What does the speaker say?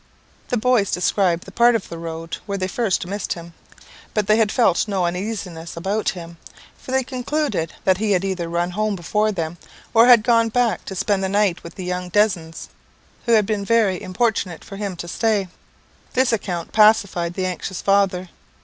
The boys described the part of the road where they first missed him; but they had felt no uneasiness about him, for they concluded that he had either run home before them, or had gone back to spend the night with the young Desnes, who had been very importunate for him to stay. This account pacified the anxious father.